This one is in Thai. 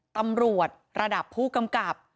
ตำรวจระดับผู้กำกับ